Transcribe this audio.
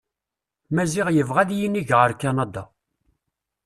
Maziɣ yebɣa ad inig ɣer kanada.